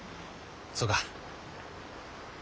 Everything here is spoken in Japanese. そうか。